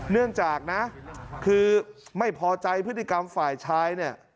เนื่องจากนะคือไม่พอใจพฤติกรรมฝ่ายชายเนี่ย